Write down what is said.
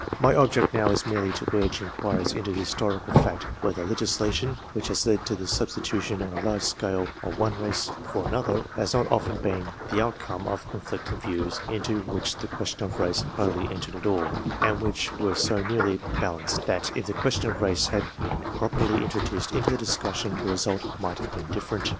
My object now is merely to urge inquiries into the historical fact whether legislation, which has led to the substitution on a large scale of one race for another, has not often been the outcome of conflicting views into which the question of race hardly entered at all, and which were so nearly balanced that if the question of race had been properly introduced into the discussion the result might have been different.